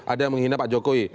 ada yang menghina pak jokowi